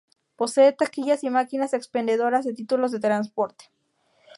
Posee taquillas y máquinas expendedoras de títulos de transporte.